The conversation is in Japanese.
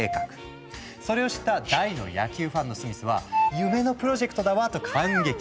それを知った大の野球ファンのスミスは「夢のプロジェクトだわ！」と感激。